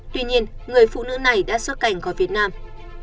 tuy nhiên người phụ nữ này đã xuất cảnh khỏi việt nam